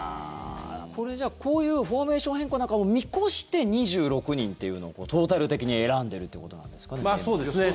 これじゃあ、こういうフォーメーション変更なんかも見越して２６人というのをトータル的に選んでるってことなんですかね？